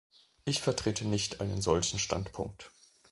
Ich vertrete nicht einen solchen Standpunkt.